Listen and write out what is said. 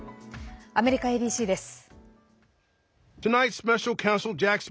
アメリカＡＢＣです。